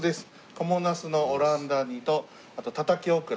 賀茂茄子のオランダ煮とあとたたきオクラ。